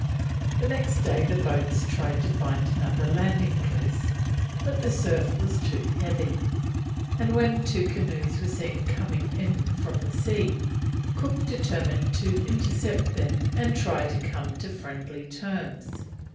The next day the boats tried to find another landing place, but the surf was too heavy; and when two canoes were seen coming in from the sea, Cook determined to intercept them and try to come to friendly terms.